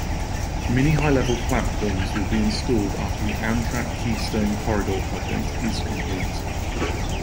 Mini-high-level platforms will be installed after the Amtrak Keystone Corridor project is complete.